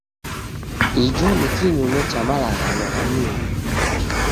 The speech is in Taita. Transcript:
Ijo ni kinyume cha malaghano gha Mlungu.